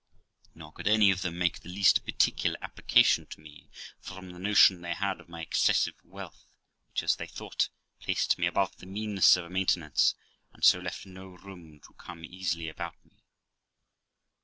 Nor could any of them make the least particular application to me, from the notion they had of my excessive wealth, which, as they thought, placed me above the meanness of a maintenance, and so left no room to come easily about me.